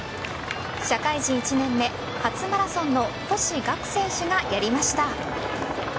社会人１年目、初マラソンの星岳選手がやりました。